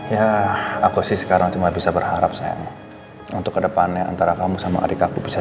ya aku sih sekarang cuma bisa berharap saya untuk kedepannya antara kamu sama adik aku bisa